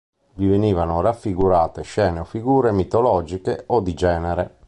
Vi venivano raffigurate scene o figure mitologiche o di genere.